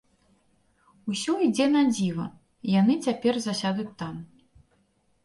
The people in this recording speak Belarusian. Усё ідзе надзіва, яны цяпер засядуць там.